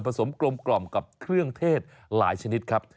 สมกลมกับเครื่องเทศหลายชนิดครับ